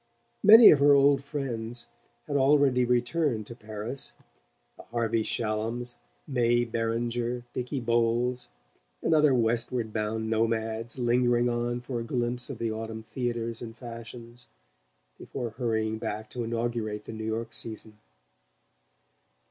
Many of her old friends had already returned to Paris: the Harvey Shallums, May Beringer, Dicky Bowles and other westward bound nomads lingering on for a glimpse of the autumn theatres and fashions before hurrying back to inaugurate the New York season.